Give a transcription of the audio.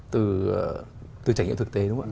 từ trải nghiệm thực tế